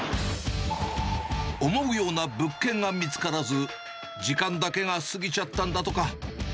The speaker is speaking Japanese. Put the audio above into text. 思うような物件が見つからず、時間だけが過ぎちゃったんだとか。